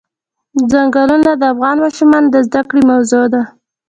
چنګلونه د افغان ماشومانو د زده کړې موضوع ده.